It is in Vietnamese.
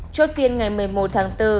chốt tiên ngày một mươi một tháng bốn